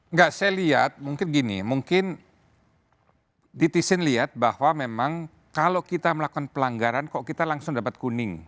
enggak saya lihat mungkin gini mungkin netizen lihat bahwa memang kalau kita melakukan pelanggaran kok kita langsung dapat kuning